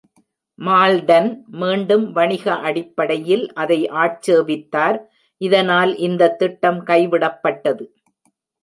Malton மீண்டும் வணிக அடிப்படையில் அதை ஆட்சேபித்தார், இதனால் இந்த திட்டம் கைவிடப்பட்டது.